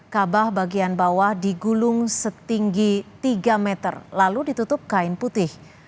kabah bagian bawah digulung setinggi tiga meter lalu ditutup kain putih